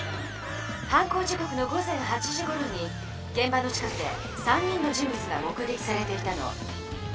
犯行時こくの午前８時ごろにげん場の近くで３人の人物が目げきされていたの。